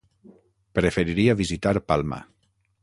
Preferiria visitar Palma.